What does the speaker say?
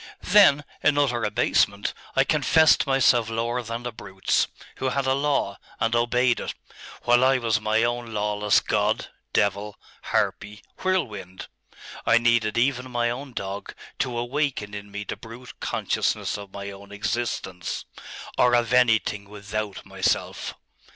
'Then in utter abasement, I confessed myself lower than the brutes, who had a law, and obeyed it, while I was my own lawless God, devil, harpy, whirlwind.... I needed even my own dog to awaken in me the brute consciousness of my own existence, or of anything without myself.